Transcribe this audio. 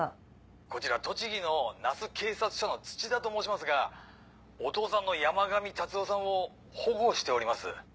こちら栃木の那須警察署の土田と申しますがお父さんの山神達男さんを保護しております。